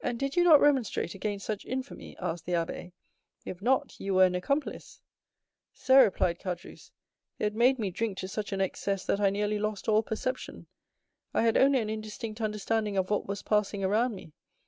"And did you not remonstrate against such infamy?" asked the abbé; "if not, you were an accomplice." "Sir," replied Caderousse, "they had made me drink to such an excess that I nearly lost all perception. I had only an indistinct understanding of what was passing around me.